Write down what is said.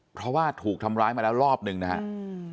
เพราะว่าถูกทำร้ายมาแล้วรอบหนึ่งนะครับ